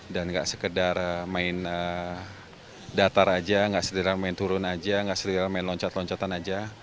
dan gak sekedar main datar aja gak sekedar main turun aja gak sekedar main loncat loncatan aja